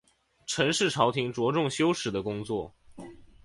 陈氏朝廷着重修史的工作。